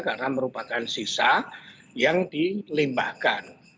karena merupakan sisa yang dilimbahkan